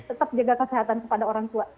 tetap jaga kesehatan kepada orang tua